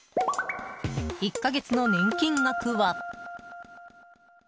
１か月の年金額は。